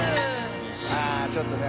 ああちょっとね。